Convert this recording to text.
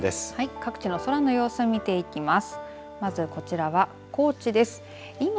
各地の空の様子を見ていきます。